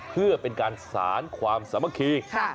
เพื่อเป็นการสารความสามัคคี